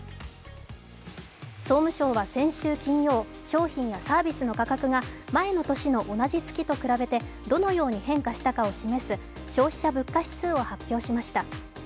総務省は先週金曜、商品やサービスの価格が前の敏の同じ月と比べてどのように変化したかを示す消費者物価指数を発表しました。